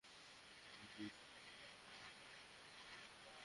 অনেক কিছু বলতে ইচ্ছে করে তোমায়, কিন্তু কিচ্ছু বলতে পারি না।